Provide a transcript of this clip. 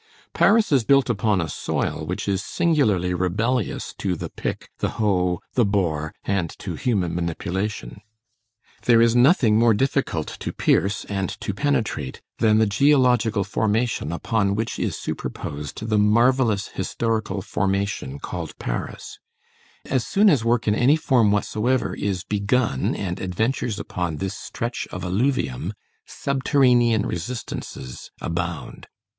Paris is built upon a soil which is singularly rebellious to the pick, the hoe, the bore, and to human manipulation. There is nothing more difficult to pierce and to penetrate than the geological formation upon which is superposed the marvellous historical formation called Paris; as soon as work in any form whatsoever is begun and adventures upon this stretch of alluvium, subterranean resistances abound.